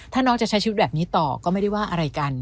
ถ้าน้องจะใช้ชีวิตแบบนี้ต่อก็ไม่ได้ว่าอะไรกัน